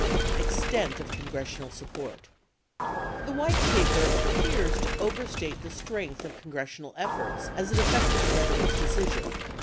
Extent of Congressional Support The White Paper appears to overstate the strength of congressional efforts as it affected the President's decision.